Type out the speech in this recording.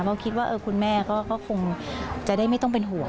ก็คิดว่าคุณแม่ก็คงจะได้ไม่ต้องเป็นห่วง